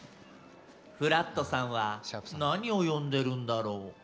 フラットさんは何を読んでるんだろう？